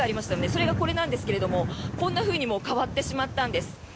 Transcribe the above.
それがこれなんですけれどこんなふうに変わってしまったんです。